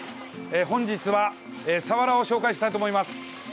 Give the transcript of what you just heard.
本日はサワラを紹介したいと思います。